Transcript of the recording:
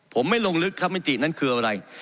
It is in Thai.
ผมไม่ลงลึกครับมิตินั้นคืออะไร